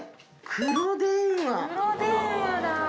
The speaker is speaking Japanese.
黒電話だ。